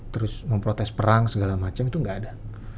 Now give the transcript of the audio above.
terus memprotes perang segala macam itu nggak ada